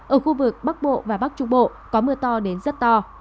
ở khu vực bắc bộ và bắc trung bộ có mưa to đến rất to